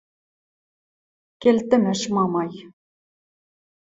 — Келтӹмӓш Мамай!